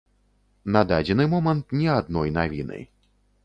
На дадзены момант ні адной навіны.